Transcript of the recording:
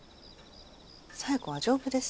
左枝子は丈夫です。